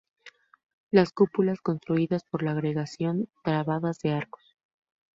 Las cúpulas, construidas con la agregación trabada de arcos.